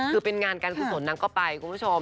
คือเป็นงานการกุศลนางก็ไปคุณผู้ชม